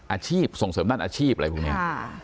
อาชีพส่งเสริมด้านอาชีพอะไรพวกนี้